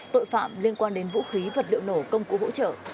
tội phạm liên quan đến vũ khí vật liệu nổ công cụ hỗ trợ